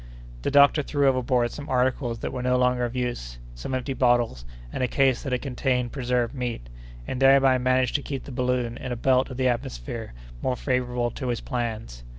The doctor threw overboard some articles that were no longer of use—some empty bottles, and a case that had contained preserved meat—and thereby managed to keep the balloon in a belt of the atmosphere more favorable to his plans.